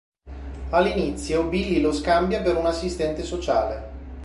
All'inizio Billy lo scambia per un assistente sociale.